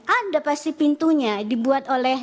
ada pasti pintunya dibuat oleh